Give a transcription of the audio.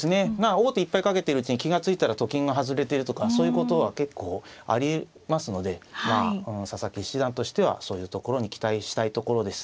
王手いっぱいかけてるうちに気が付いたらと金が外れてるとかそういうことは結構ありますので佐々木七段としてはそういうところに期待したいところです。